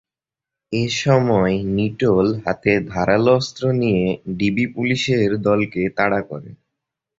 এ সময় নিটোল হাতে ধারালো অস্ত্র নিয়ে ডিবি পুলিশের দলকে তাড়া করে।